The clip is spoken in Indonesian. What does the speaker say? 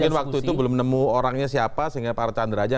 mungkin waktu itu belum menemu orangnya siapa sehingga pak archan deraja